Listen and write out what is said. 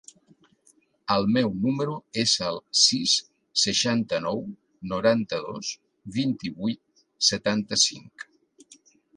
El meu número es el sis, seixanta-nou, noranta-dos, vint-i-vuit, setanta-cinc.